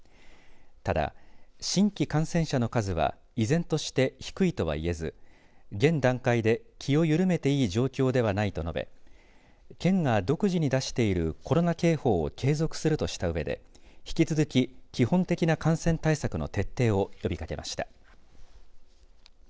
ただ、新規感染者の数は依然として低いとはいえず現段階で気を緩めていい状況ではないと述べ県が独自に出しているコロナ警報を継続するとしたうえで引き続き、基本的な感染対策の徹底を呼びかけました。